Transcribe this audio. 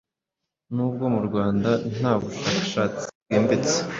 N’ubwo mu Rwanda nta bushakashatsi bwimbitse